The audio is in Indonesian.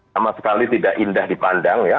sama sekali tidak indah dipandang ya